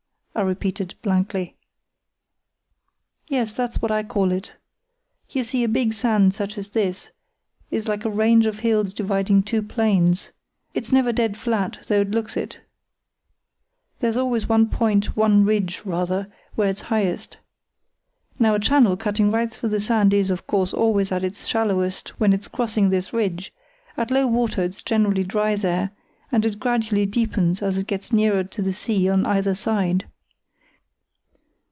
I repeated, blankly. "Yes, that's what I call it. You see, a big sand such as this is like a range of hills dividing two plains, it's never dead flat though it looks it; there's always one point, one ridge, rather, where it's highest. Now a channel cutting right through the sand is, of course, always at its shallowest when it's crossing this ridge; at low water it's generally dry there, and it gradually deepens as it gets nearer to the sea on either side.